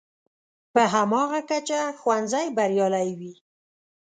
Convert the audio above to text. په هماغه کچه ښوونځی بریالی وي.